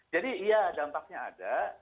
jadi iya dampaknya ada